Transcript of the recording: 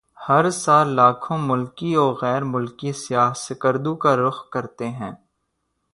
ہر سال لاکھوں ملکی وغیر ملکی سیاح سکردو کا رخ کرتے ہیں